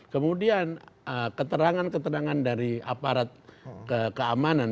kemudian keterangan keterangan dari aparat keamanan